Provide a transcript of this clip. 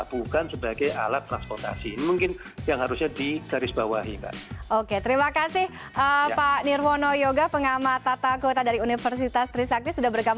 bukan sebagai alat transportasi